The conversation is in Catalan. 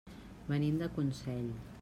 Venim de Consell.